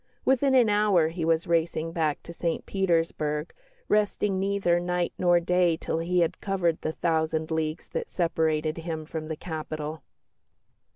Within an hour he was racing back to St Petersburg, resting neither night nor day until he had covered the thousand leagues that separated him from the capital.